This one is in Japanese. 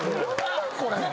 これ。